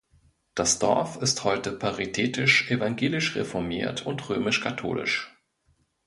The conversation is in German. Das Dorf ist heute paritätisch evangelisch-reformiert und römisch-katholisch.